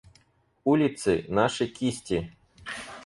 Улицы – наши кисти.